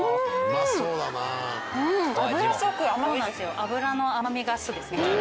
脂の甘みがすごいですね。